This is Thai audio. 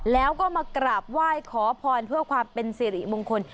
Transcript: แล้วก็มากราบไหว้ขอพรเพื่อความเป็นสิริมงคล